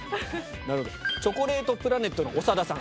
チョコレートプラネットの長田さん。